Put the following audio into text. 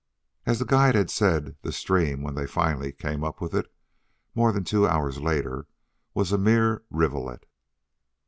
As the guide had said, the stream, when they finally came up with it more than two hours later, was a mere rivulet.